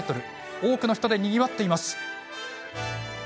多くの人でにぎわっています。